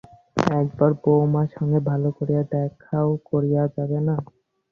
একবার বউমার সঙ্গে ভালো করিয়া দেখাও করিয়া যাবি না?